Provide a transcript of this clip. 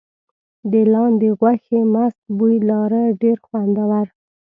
د لاندي غوښې مست بوی لاره ډېر خوندور.